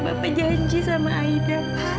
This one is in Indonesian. bapak janji sama aida